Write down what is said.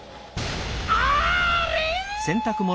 あれ！